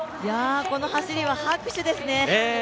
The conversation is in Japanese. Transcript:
この走りは、拍手ですね！